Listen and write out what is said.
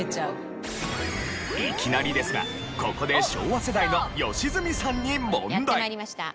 いきなりですがここで昭和世代の良純さんに問題！